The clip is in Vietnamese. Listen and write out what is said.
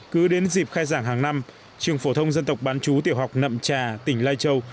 cứ đến dịp khai giảng hàng năm trường phổ thông dân tộc bán chú tiểu học nậm trà tỉnh lai châu